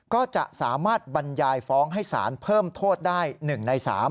ก็จะสามารถบรรยายฟ้องให้สารเพิ่มโทษได้๑ใน๓